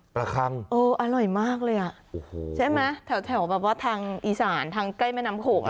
ปลาคังโอ้อร่อยมากเลยอ่ะใช่ไหมแถวแบบว่าทางอีสานทางใกล้แม่น้ำโขง